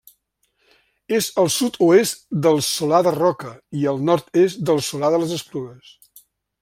És al sud-oest del Solà de Roca i al nord-est del Solà de les Esplugues.